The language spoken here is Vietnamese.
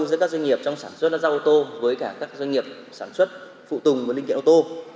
giữa các doanh nghiệp trong sản xuất lắp ráp ô tô với các doanh nghiệp sản xuất phụ tùng và linh kiện ô tô